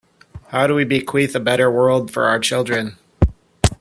How do we bequeath a better world for our children?